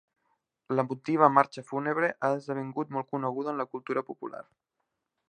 L'emotiva "marxa fúnebre" ha esdevingut molt coneguda en la cultura popular.